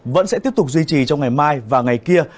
vẫn sẽ tiếp tục duy trì trong ngày mai và ngày kia